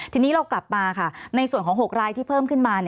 ทีนี้เรากลับมาค่ะในส่วนของ๖รายที่เพิ่มขึ้นมา